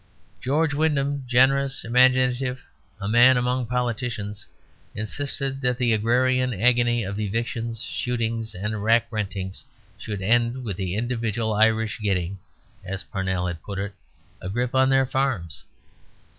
George Wyndham, generous, imaginative, a man among politicians, insisted that the agrarian agony of evictions, shootings, and rack rentings should end with the individual Irish getting, as Parnell had put it, a grip on their farms.